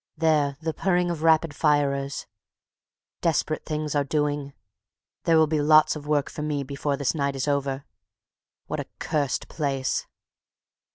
There! the purring of the rapid firers. Desperate things are doing. There will be lots of work for me before this night is over. What a cursed place!